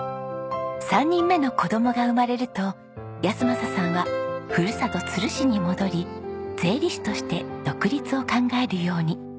３人目の子供が生まれると安正さんはふるさと都留市に戻り税理士として独立を考えるように。